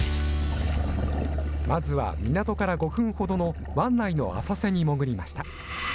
まずは港から５分ほどの湾内の浅瀬に潜りました。